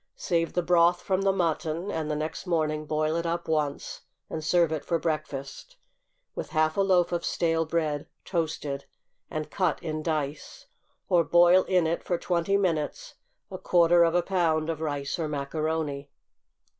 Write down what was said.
Save the broth from the mutton, and the next morning boil it up once, and serve it for breakfast, with half a loaf of stale bread, toasted, and cut in dice; or boil in it for twenty minutes a quarter of a pound of rice or macaroni.